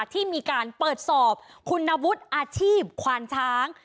ที่มีการเปิดสอบคุณวุฒิอาชีพควานช้าง